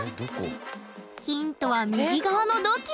ヒントは右側の土器。